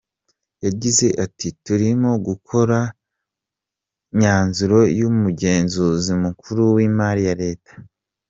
Yagize ati “Turimo gukora ku myanzuro y’umugenzuzi mukuru w’imari ya leta.